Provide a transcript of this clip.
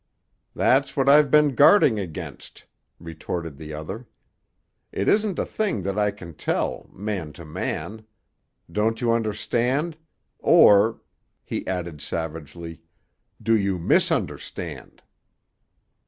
"That's what I've been guarding against," retorted the other. "It isn't a thing that I can tell, man to man. Don't you understand? Or," he added savagely, "do you misunderstand?"